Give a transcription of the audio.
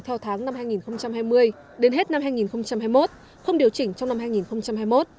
theo tháng năm hai nghìn hai mươi đến hết năm hai nghìn hai mươi một không điều chỉnh trong năm hai nghìn hai mươi một